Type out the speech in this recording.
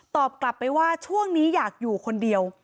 กลับไปว่าช่วงนี้อยากอยู่คนเดียว